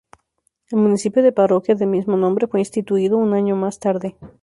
El municipio de parroquia de mismo nombre fue instituido un año más tarde.